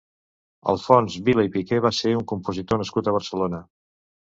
Alfons Vila i Piqué va ser un compositor nascut a Barcelona.